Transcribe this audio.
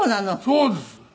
そうです。